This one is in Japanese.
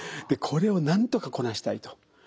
これをなんとかこなしたいと。